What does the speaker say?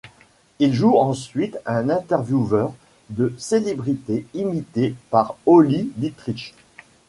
Il joue ensuite un intervieweur de célébrités imités par Olli Dittrich.